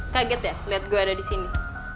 kaget ya liat gue ada di sini